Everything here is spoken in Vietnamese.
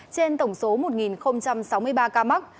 trên tổng số một sáu mươi ba ca mắc